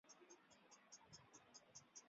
屈里耶尔。